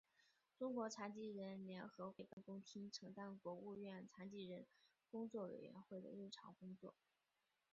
中国残疾人联合会办公厅承担国务院残疾人工作委员会的日常工作。